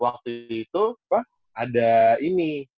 waktu itu ada ini